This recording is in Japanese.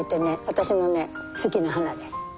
私の好きな花です。